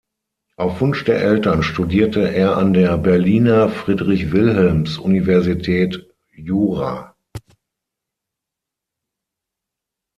Auf Wunsch der Eltern studierte er an der Berliner "Friedrich-Wilhelms-Universität" Jura.